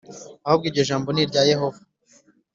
ahubwo iryo jambo ni irya Yehova